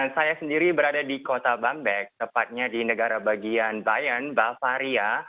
saya sendiri berada di kota bangbek tepatnya di negara bagian bayan bavaria